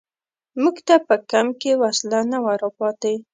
موږ ته په کمپ کې وسله نه وه را پاتې.